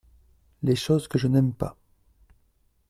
Les choses que je n'aime pas.